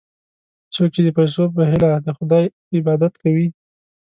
څوک چې د پیسو په هیله د خدای عبادت کوي.